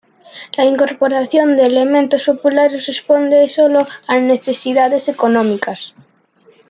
La incorporación de elementos populares responde solo a necesidades económicas.